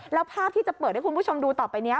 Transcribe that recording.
แล้วภาพที่จะเปิดให้คุณผู้ชมดูต่อไปนี้